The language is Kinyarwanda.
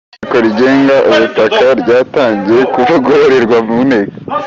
Itegeko rigenga ubutaka ryatangiye kuvugururirwa mu Nteko